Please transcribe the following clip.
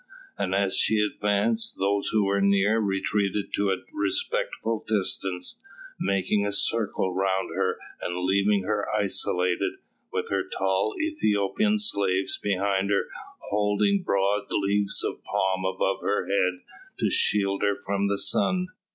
And as she advanced, those who were near retreated to a respectful distance, making a circle round her and leaving her isolated, with her tall Ethiopian slaves behind her holding broad leaves of palm above her head to shield her from the sun.